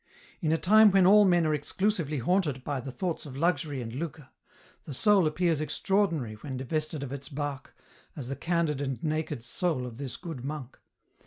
" In a time when all men are exclusively haunted by the thoughts of luxury and lucre, the soul appears extraordinary when divested of its bark, as the candid and naked soul of this good monk.